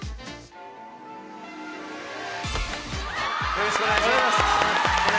よろしくお願いします。